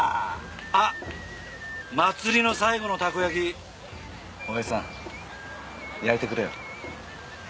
あっ祭りの最後のたこ焼き親父さん焼いてくれよ。